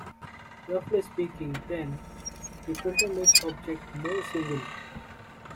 Roughly speaking, then, the filter makes objects "more" singular.